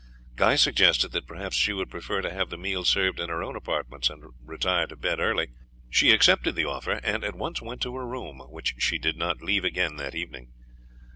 Guy suggested that perhaps she would prefer to have the meal served in her own apartments and to retire to bed early. She accepted the offer, and at once went to her room, which she did not leave again that evening.